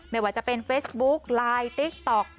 ไม่ว่าจะเป็นเฟซบุ๊กไลน์ติ๊กต๊อก